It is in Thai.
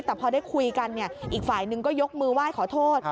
แต่พอได้คุยกันอีกฝ่ายหนึ่งก็ยกมือไหว้ขอโทษ